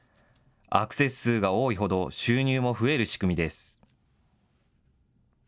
アクセス数が多いほど、収入も増える仕組みです。